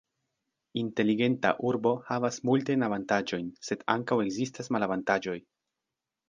Inteligenta urbo havas multajn avantaĝojn, sed ankaŭ ekzistas malavantaĝoj.